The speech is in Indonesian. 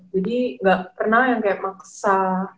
jadi gak pernah yang kayak maksa